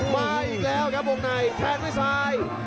มาอีกแล้วครับวงในแทงด้วยซ้าย